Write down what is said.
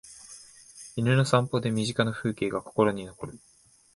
犬の散歩で身近な風景が心に残る